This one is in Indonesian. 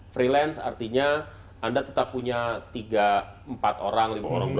freelance artinya anda tetap punya tiga empat orang